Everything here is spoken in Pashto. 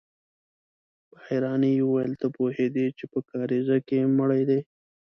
په حيرانۍ يې وويل: ته پوهېدې چې په کاريزه کې مړی دی؟